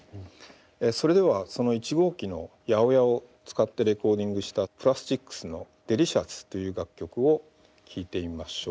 それではその１号機の８０８を使ってレコーディングしたプラスチックスの「ＤＥＬＩＣＩＯＵＳ」という楽曲を聴いてみましょう。